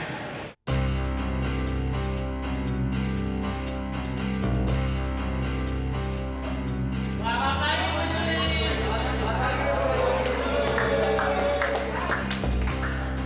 selamat pagi bu juni